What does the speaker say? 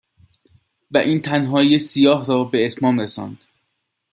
و این تنهایی سیاه را به اتمام رساند.